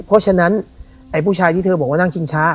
เพราะฉะนั้นไอ้ผู้ชายที่เธอบอกว่านั่งชิงช้า